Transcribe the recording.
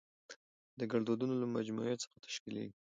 د ګړدودونو له مجموعه څخه تشکېليږي.